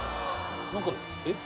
何かえっ？